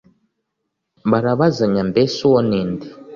barabazanya mbese uwo ni inde?